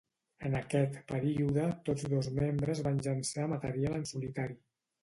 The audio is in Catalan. En aquest període tots dos membres van llançar material en solitari.